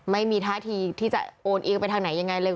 ไม่มีท่าทีที่จะโอนเองไปทางไหนยังไงเลย